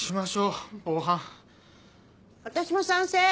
私も賛成！